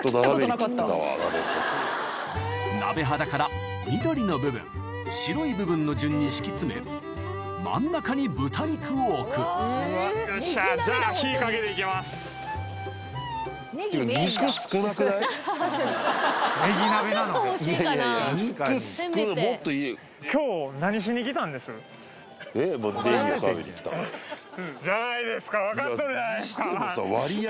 鍋肌から緑の部分白い部分の順に敷き詰め真ん中に豚肉を置くよっしゃーじゃあいやいやいや肉すくもっとじゃないですか分かっとるじゃないですかにしてもさ割合